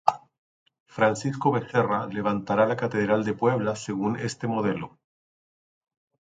Francisco Becerra levantará la catedral de Puebla según este modelo.